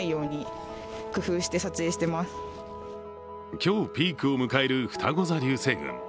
今日ピークを迎えるふたご座流星群。